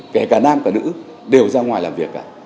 kể cả nam cả nữ đều ra ngoài làm việc